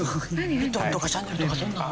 ヴィトンとかシャネルとかそんなの？